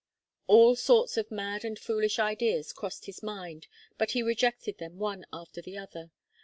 All sorts of mad and foolish ideas crossed his mind, but he rejected them one after the other.